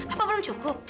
apa belum cukup